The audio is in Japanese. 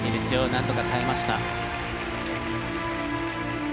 なんとか耐えました。